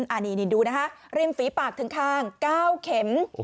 อ่ะนี่นิดดูนะคะริมฝีปากถึงขาง๙เข็ม